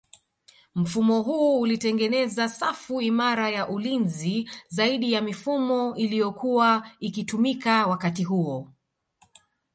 Mfumo huu ulitengeneza safu imara ya ulinzi zaidi ya mifumo iliyokua ikitumika wakati huo